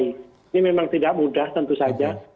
ini memang tidak mudah tentu saja